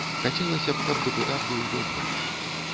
Хацелася б, каб дэпутат быў добры.